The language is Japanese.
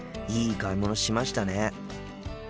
いい買い物しましたね。